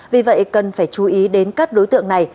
vì vậy cần phải chú ý đến các đối tượng này